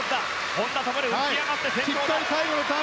本多灯、浮き上がって先頭だ。